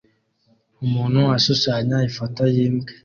Umuntu ashushanya ifoto yimbwa